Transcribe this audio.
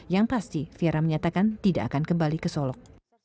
yang pasti fiera menyatakan tidak akan kembali ke solok